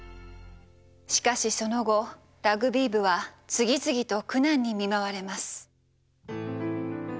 しかしその後ラグビー部は次々と苦難に見舞われます。